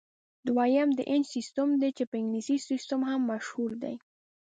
دویم د انچ سیسټم دی چې په انګلیسي سیسټم هم مشهور دی.